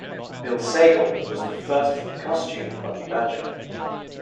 Bill Sagal was the first costumed Bucky Badger.